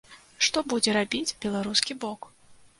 Што будзе рабіць беларускі бок?